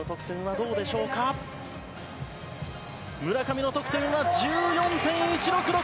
村上の得点は１４．１６６。